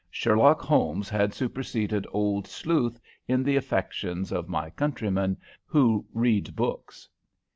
Sherlock Holmes had superseded Old Sleuth in the affections of my countrymen who read books.